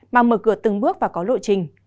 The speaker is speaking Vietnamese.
mà mở cửa từng bước và có lộ trình